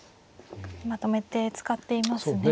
まとめて使っていますね。